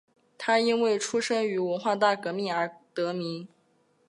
他因为出生于文化大革命而得名。